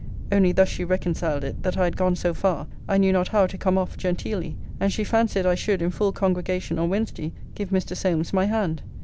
Only thus she reconciled it, that I had gone so far, I knew not how to come off genteelly: and she fancied I should, in full congregation, on Wednesday, give Mr. Solmes my hand.